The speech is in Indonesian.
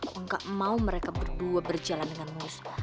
gue gak mau mereka berdua berjalan dengan lurus